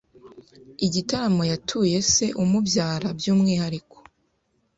igitaramo yatuye se umubyara by’umwihariko.